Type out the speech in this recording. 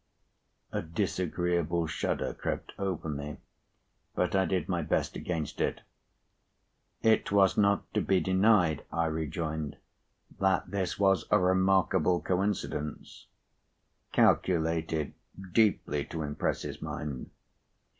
A disagreeable shudder crept over me, but I did my best against it. It was not to be denied, I rejoined, that this was a remarkable coincidence, calculated deeply to impress his mind.